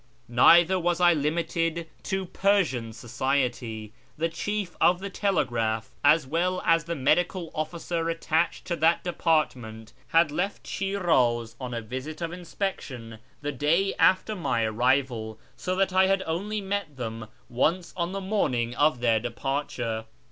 Neither was I limited to Persian society. The chief of the telegraph, as well as the medical officer attached to that department, had left Shiraz on a visit of inspection the day after my arrival, so that I had only met them once on the morning of their departure.